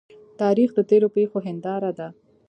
تاریخ د تیرو پیښو هنداره ده.